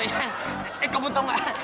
eh kamu tau gak